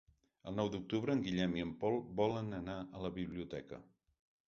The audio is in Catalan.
El nou d'octubre en Guillem i en Pol volen anar a la biblioteca.